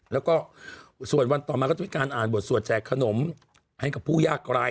แล้วก็ส่วนวันต่อมาก็จะมีการอ่านบทสวดแจกขนมให้กับผู้ยากร้าย